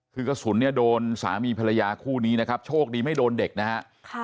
คือกระสุนเนี่ยโดนสามีภรรยาคู่นี้นะครับโชคดีไม่โดนเด็กนะฮะ